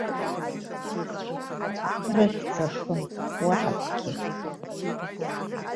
Рыхьӡ рхын, уаҳа акгьы?